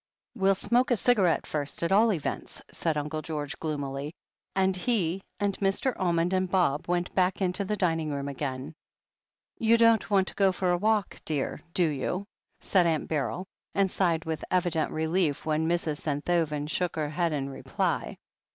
"We'll smoke a cigarette first, at all events," said Uncle George gloomily, and he and Mr. Almond and Bob went back into the dining room again. "You don't want to go for a walk, dear, do you?" said Aunt Beryl, and sighed with evident relief when Mrs. Senthoven shook her head in reply.